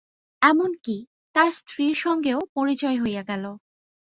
এমন-কি, তার স্ত্রীর সঙ্গেও পরিচয় হইয়া গেল।